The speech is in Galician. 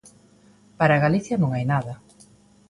Para Galicia non hai nada.